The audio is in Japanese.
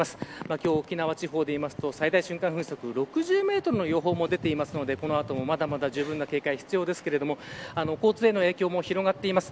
今日、沖縄地方は最大瞬間風速６０メートルの予報も出ているのでこの後もまだまだじゅうぶんな警戒が必要ですが交通への影響も広がっています。